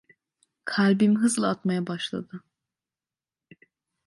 Kalbim hızla atmaya başladı.